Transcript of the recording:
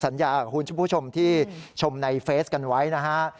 สัญญากับคุณผู้ชมที่ชมในเฟสกันไว้นะฮะ